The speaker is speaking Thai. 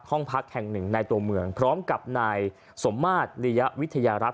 ห้องพักแห่งหนึ่งในตัวเมืองพร้อมกับนายสมมาตรลียวิทยารักษ